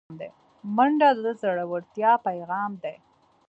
منډه د زړورتیا پیغام دی